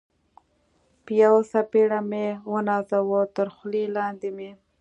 په یوه څپېړه مې و نازاوه، تر خولۍ لاندې مې.